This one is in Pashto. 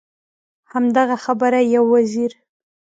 همدغه خبره یو وزیر.